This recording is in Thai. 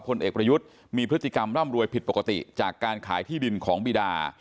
พลเอกประยุทธ์มีพฤติกรรมร่ำรวยผิดปกติจากการขายที่ดินของบีดา